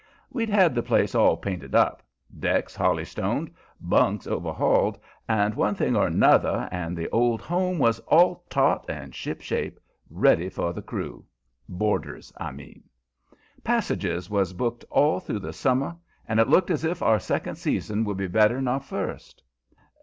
We'd had the place all painted up, decks holy stoned, bunks overhauled, and one thing or 'nother, and the "Old Home" was all taut and shipshape, ready for the crew boarders, I mean. Passages was booked all through the summer and it looked as if our second season would be better'n our first.